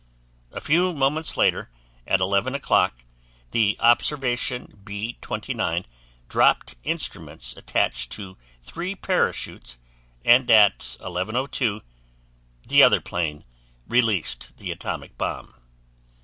A few moments later, at 11:00 o'clock, the observation B 29 dropped instruments attached to three parachutes and at 11:02 the other plane released the atomic bomb.